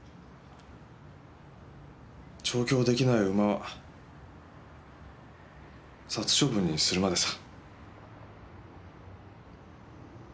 調教できない馬は殺処分にするまでさ。